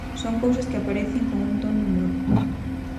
Son cousas que aparecen con un ton de humor.